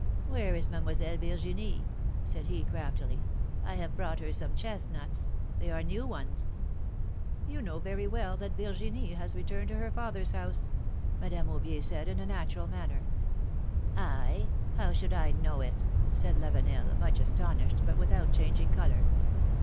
Where is Mademoiselle Virginie?" said he, craftily. have brought her some chestnuts. They are new ones !" Yon know very well that Virginie has returned to her father's house," Madame Aubier said in a natural manner. philom^:ne^s maeeiages. 235 How should I know it?'^ said Lavenel, much astonished, but without changing color.